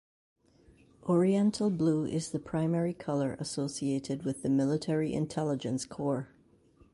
Oriental blue is the primary color associated with the Military Intelligence Corps.